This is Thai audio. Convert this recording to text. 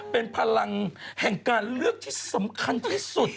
เป็นพลังแห่งการเลือกที่สำคัญที่สุด